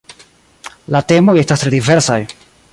La temoj estas tre diversaj.